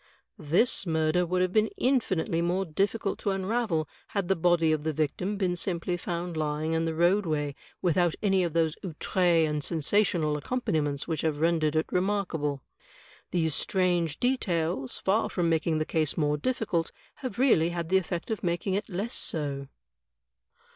This murder would have been infinitely more difficult to unravel had the body of the victim been simply found lying in the roadway without any of those otUre and sensational accompaniments which have rendered it remarka ble. These strange details, far from making the case more difficult, have really had the effect of making it less so."